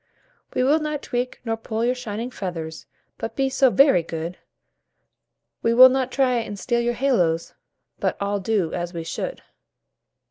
"We will not tweak nor pull your shining feathers, But be so very good; We will not try and steal your little halos, But all do as we should."